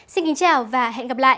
xin kính chào và hẹn gặp lại